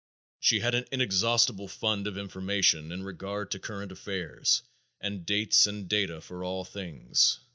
She had an inexhaustible fund of information in regard to current affairs, and dates and data for all things.